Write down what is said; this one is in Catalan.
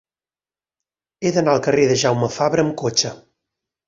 He d'anar al carrer de Jaume Fabra amb cotxe.